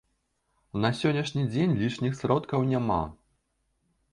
На сённяшні дзень лішніх сродкаў няма.